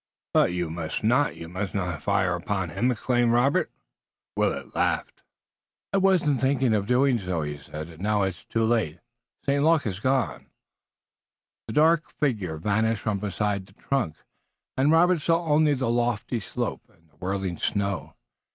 "But you must not! You must not fire upon him!" exclaimed Robert. Willet laughed. "I wasn't thinking of doing so," he said. "And now it's too late. St. Luc has gone." The dark figure vanished from beside the trunk, and Robert saw only the lofty slope, and the whirling snow.